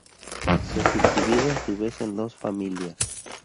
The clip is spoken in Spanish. Se subdivide a su vez en dos familias.